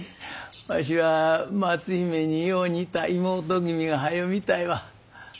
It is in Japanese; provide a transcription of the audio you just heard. わしは松姫によう似た妹君がはよ見たいわ。